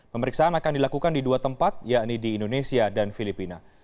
pemeriksaan akan dilakukan di dua tempat yakni di indonesia dan filipina